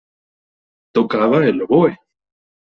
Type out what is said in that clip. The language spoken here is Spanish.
Tocaba el oboe.